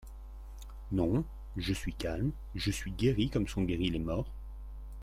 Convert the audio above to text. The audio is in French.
Non ! je suis calme, je suis guérie comme sont guéris les morts.